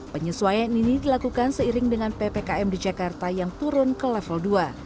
penyesuaian ini dilakukan seiring dengan ppkm di jakarta yang turun ke level dua